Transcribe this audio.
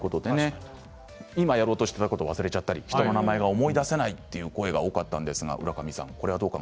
今やろうとしていたことを忘れてしまったり人の名前が思い出せないという声が多かったです。